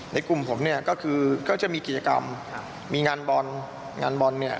กลุ่มผมเนี่ยก็คือก็จะมีกิจกรรมมีงานบอลงานบอลเนี่ย